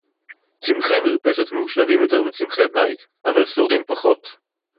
צמחי מרפסת מאושרים יותר מצמחי בית, אבל שורדים פחות.